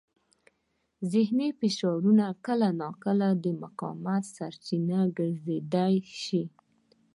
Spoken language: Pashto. ذهني فشارونه کله ناکله د مقاومت سرچینه ګرځېدای شي.